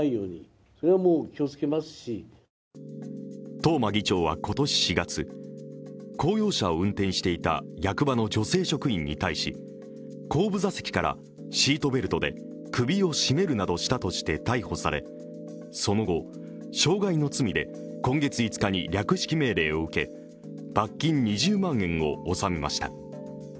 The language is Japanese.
東間議長は今年４月、公用車を運転していた役場の女性職員に対し後部座席からシートベルトで首を絞めるなどしたとして逮捕され、その後、傷害の罪で今月５日に略式命令を受け、罰金２０万円を納めました。